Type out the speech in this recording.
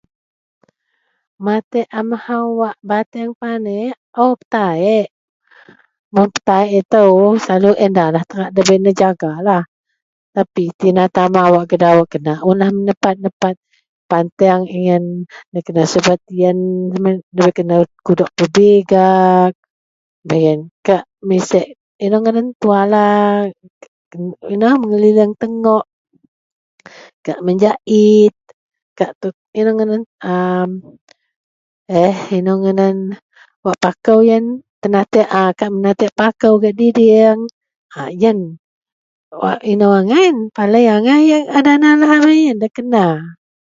Matek amahou wak bateng panaek, o petaeak. Mun petaeak itou selalu siyen ndalah debei nejagalah tapi tinatama wak gak dawek, kena unlah menepad-nepad. Panteang siyen, nda kena subet eyen, nda kena kudok pebigag, kak mesek tuala, inou, mengelilieng tengok, kak mejait, kak [tut] inou ngadan [amm] eh inou ngadan wak pakou yen menateak, kak menateak pakou gak didieng a yen wak inou angai palei angai yen. A dana lahabei yen nda kena.